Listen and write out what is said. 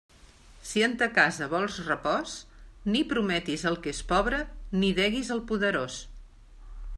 Si en ta casa vols repòs, ni prometis al que és pobre, ni deguis al poderós.